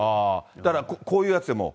だからこういうやつでも。